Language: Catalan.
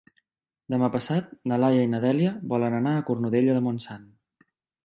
Demà passat na Laia i na Dèlia volen anar a Cornudella de Montsant.